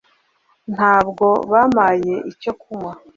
Ntabwo bampaye icyo kunywa